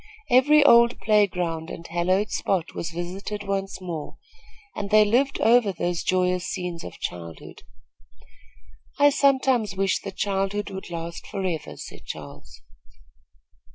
Every old playground and hallowed spot was visited once more, and they lived over those joyous scenes of childhood. "I sometimes wish that childhood would last forever," said Charles.